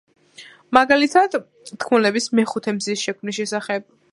მაგალითად, თქმულებას მეხუთე მზის შექმნის შესახებ.